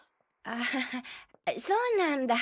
あははそうなんだ。